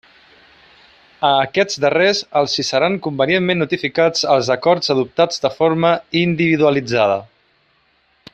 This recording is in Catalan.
A aquests darrers els hi seran convenientment notificats els acords adoptats de forma individualitzada.